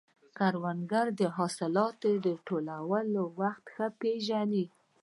کروندګر د حاصل راټولولو وخت ښه پېژني